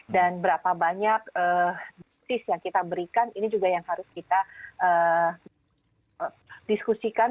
dan berapa banyak tips yang kita berikan ini juga yang harus kita diskusikan